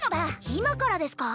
今からですか？